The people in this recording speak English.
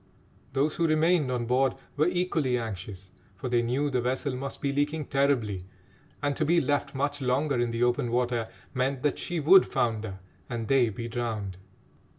Those who remained on board were equally anxious, for they knew the vessel must be leaking terribly, and to be left much longer in the open water meant that she would founder and they be drowned.